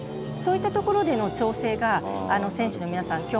そういったところでの調整が選手の皆さん